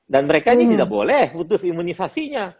dan mereka ini tidak boleh putus imunisasinya